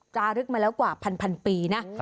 จารึกมาแล้วกว่าพันปีนะ